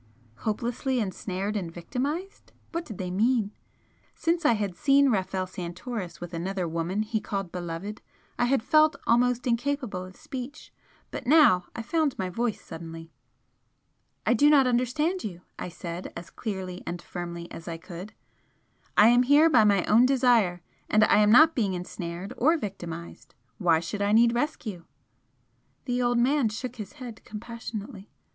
'Hopelessly ensnared and victimised.' What did they mean? Since I had seen Rafel Santoris with another woman he called 'beloved' I had felt almost incapable of speech but now I found my voice suddenly. "I do not understand you" I said, as clearly and firmly as I could "I am here by my own desire, and I am not being ensnared or victimised. Why should I need rescue?" The old man shook his head compassionately.